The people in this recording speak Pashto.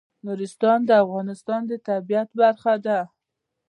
نورستان د افغانستان د طبیعت برخه ده.